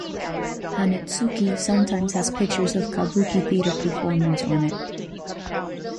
Hanetsuki sometimes has pictures of Kabuki theatre performers on it.